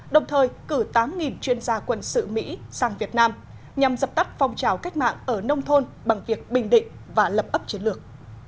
đồng thời cử tám chuyên gia quân sự mỹ sang việt nam nhằm dập tắt phong trào cách mạng ở nông thôn bằng việc bình định và lập ấp chiến lược